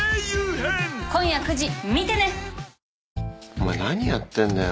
お前何やってんだよ。